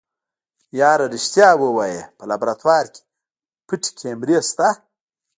يره رښتيا ووايه په لابراتوار کې پټې کمرې نشته.